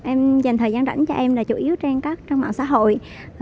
em dành thời gian rảnh cho em là chủ yếu trên các trang mạng xã hội